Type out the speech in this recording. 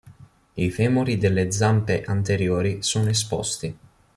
I femori delle zampe anteriori sono esposti.